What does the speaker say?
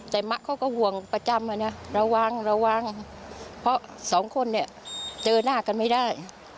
แต่มะเขาก็ห่วงประจำอะนะระวังระวังเพราะสองคนเนี่ยเจอหน้ากันไม่ได้